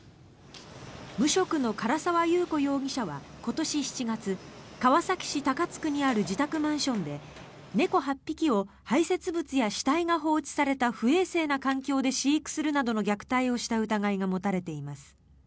無職の唐澤優子容疑者は今年７月川崎市高津区にある自宅マンションで猫８匹を排せつ物や死体が放置された不衛生な環境で飼育するなどの虐待をした疑いが持たれています。